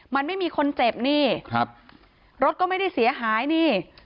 มันไม่มีคนเจ็บนี่ครับรถก็ไม่ได้เสียหายนี่